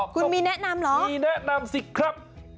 คุณมีแนะนำเหรอคุณมีแนะนำสิครับคุณมีแนะนำเหรอ